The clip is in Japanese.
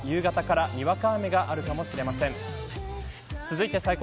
ただ福島は、夕方からにわか雨があるかもしれません。